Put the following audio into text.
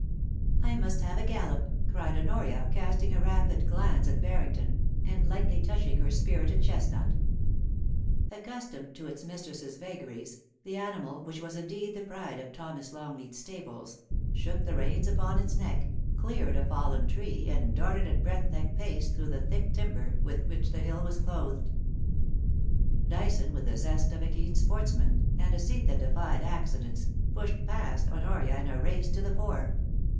* I must have a gallop,' cried Honoria, casting a rapid glance at Harrington, and lightly touching her spirited chestnut Accustomed to its mistress's vagaries, the animal, which was indeed the pride of Thomas Longleat's stables, shook A PICNIC IN THE MOUNTAINS. 191 the reins upon its neck, cleared a fallen tree, and darted at breakneck pace through the thick timber with which the hill was clothed. Dyson, with the zest of a keen sportsman, and a seat that defied accidents, pushed past Honoria in a race to the fore.